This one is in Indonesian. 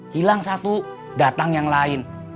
hilang satu datang yang lain